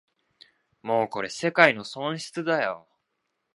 もうこれ世界の損失だよ